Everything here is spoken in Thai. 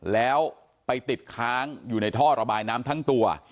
แล้วไปติดค้างอยู่ในท่อระบายน้ำทั้งตัว